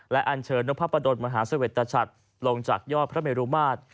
และอัญเชิญนภาพประดนมหาสวรรค์ตะชัดลงจากยอดพระเมรุมาตร